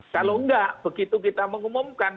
kalau enggak begitu kita mengumumkan